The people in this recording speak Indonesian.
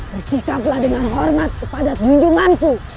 disikaplah dengan hormat kepada sejunjunganku